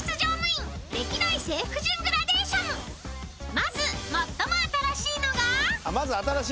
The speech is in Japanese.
［まず最も新しいのが］